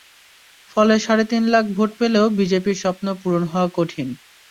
ফলে সাড়ে তিন লাখ ভোট পেলেও বিজেপির স্বপ্ন পূরণ হওয়া কঠিন।